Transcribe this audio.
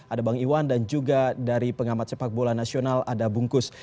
ada bang iwan dan juga dari pengamat sepak bola nasional ada bungkus